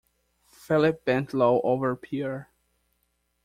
Philip bent low over Pierre.